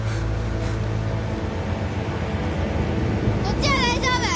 こっちは大丈夫！